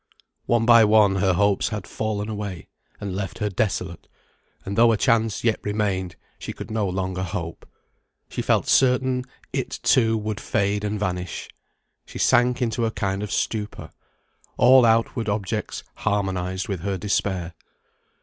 One by one her hopes had fallen away, and left her desolate; and though a chance yet remained, she could no longer hope. She felt certain it, too, would fade and vanish. She sank into a kind of stupor. All outward objects harmonised with her despair.